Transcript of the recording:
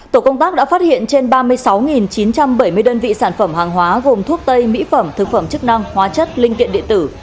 tổ công tác đã phát hiện trên ba mươi sáu chín trăm bảy mươi đơn vị sản phẩm hàng hóa gồm thuốc tây mỹ phẩm thực phẩm chức năng hóa chất linh kiện điện tử